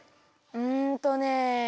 うんとね。